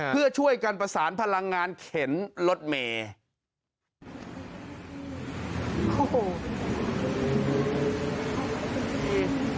เพื่อช่วยกันประสานพลังงานเข็นรถเมย์